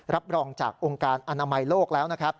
รับรองจากองค์การอนามัยโลกแล้วนะครับ